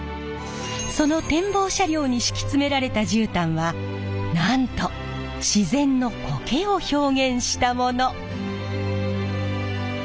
その展望車両に敷き詰められた絨毯はなんと自然のこけを表現したもの。